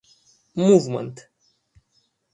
Movement.